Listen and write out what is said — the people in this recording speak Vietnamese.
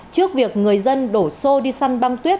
trước việc người dân đổ xô đi săn băng tuyết